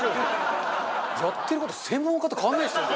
やってる事専門家と変わらないですよね。